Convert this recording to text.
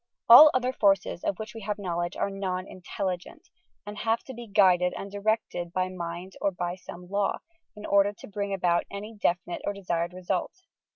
All other forces, of which we have knowledge, are non intelligent, and have to be guided and directed by mind or by some law, in order to bring about any definite or desired result.